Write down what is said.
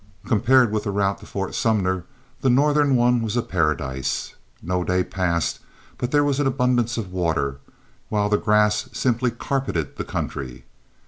Compared with the route to Fort Sumner, the northern one was a paradise. No day passed but there was an abundance of water, while the grass simply carpeted the country.